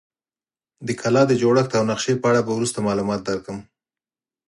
د کلا د جوړښت او نقشې په اړه به وروسته معلومات درکړم.